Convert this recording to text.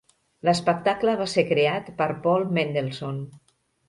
L'espectacle va ser creat per Paul Mendelson.